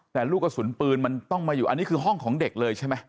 แต่ลูกกระสุนปืนมันต้องมาอยู่อันนี้คือห้องของเด็กเลยใช่ไหม